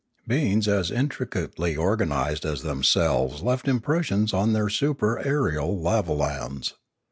Beings as intricately organised as themselves left impressions on their supra aerial lavolans.